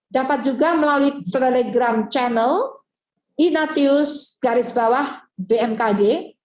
dapat juga melalui telegram channel inateus bmkg